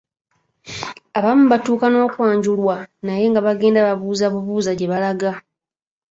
Abamu batuuka n’okwanjulwa naye nga bagenda babuuzabubuuza gye balaga.